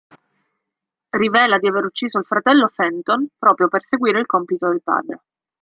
Rivela di aver ucciso il fratello Fenton, proprio per seguire il compito del padre.